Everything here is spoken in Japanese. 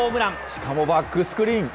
しかもバックスクリーン。